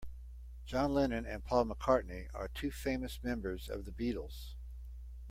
John Lennon and Paul McCartney are two famous members of the Beatles.